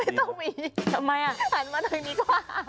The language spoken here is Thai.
ติดอาบหนึ่ง